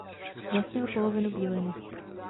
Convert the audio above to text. Vlastnil polovinu Bíliny.